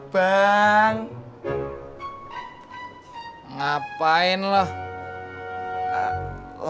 bang udin mau gak bantuin mas pur